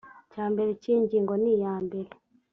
cya mbere cy iyi ngingo niyambere